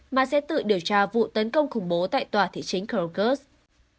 mà sẽ tự điều tra vụ tấn công khủng bố tại tòa thị chính krogus